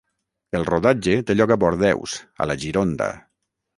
El rodatge té lloc a Bordeus, a la Gironda.